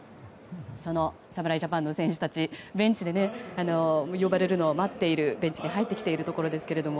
その侍ジャパンの選手たちベンチで、呼ばれるのを待っているベンチに入ってきているところですけども。